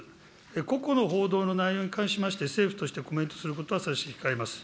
個々の報道の内容に関しまして政府としてコメントすることは差し控えます。